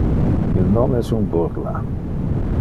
Il non es un burla.